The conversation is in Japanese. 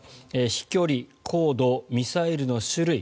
飛距離、高度、ミサイルの種類